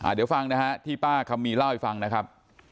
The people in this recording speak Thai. เดี๋ยวฟังนะฮะที่ป้าคำมีเล่าให้ฟังนะครับ